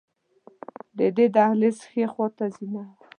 د دې دهلېز ښې خواته زینه وه.